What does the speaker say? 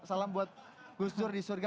salam buat gus dur di surga